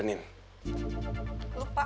jadi kamu gabased pak